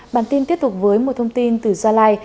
bản tin tiếp tục với một thông tin từ gia lai